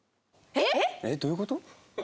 えっどういう事？